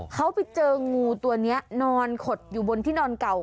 เขาไปเจองูตัวนี้นอนขดอยู่บนที่นอนเก่า